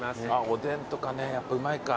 おでんとかねやっぱうまいか。